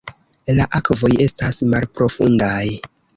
La akvoj estas malprofundaj.